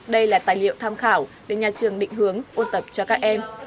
đây là tài liệu tham khảo để nhà trường định hướng ôn tập cho các em